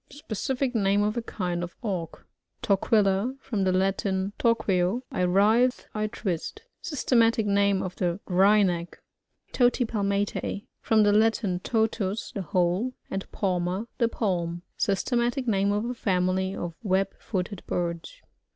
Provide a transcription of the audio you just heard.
— Specific name of a kind of Auk. ToRdDiLLA. — From the Latin torqueo, 1 writhe. I twist. Systematic name of the Wryneck. TonPAjjfATiE — From the Latin fofus, the whole, and palma, the palm. Systematic name of a &mily of web.fboted birds.